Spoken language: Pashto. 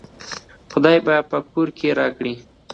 خداى په کور کې راکړه